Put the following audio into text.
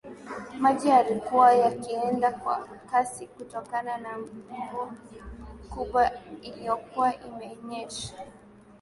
Maji yalikuwa yakienda kwa kasi kutokana na mvua kubwa iliyokuwa imenyesha